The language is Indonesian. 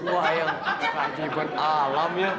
wah yang keajaiban alam ya